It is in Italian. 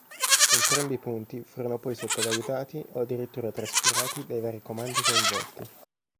Entrambi i punti furono poi sottovalutati o addirittura trascurati dai vari comandi coinvolti.